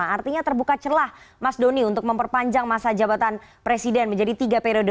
artinya terbuka celah mas doni untuk memperpanjang masa jabatan presiden menjadi tiga periode